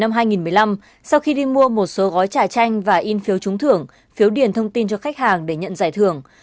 ngày hai mươi tám tháng một mươi năm hai nghìn một mươi năm sau khi đi mua một số gói trà chanh và in phiếu trúng thưởng phiếu điền thông tin cho khách hàng để nhận giải thưởng